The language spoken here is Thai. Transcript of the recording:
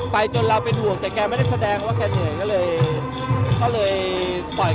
ไปจนเราเป็นห่วงแต่แกไม่ได้แสดงว่าแกเหนื่อยแล้วเขาเลยเป็น